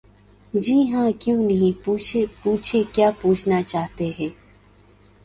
جی ہاں کیوں نہیں...پوچھیں کیا پوچھنا چاہتے ہیں؟